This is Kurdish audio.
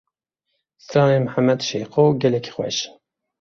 Stranên Mihemed Şêxo gelekî xweş in.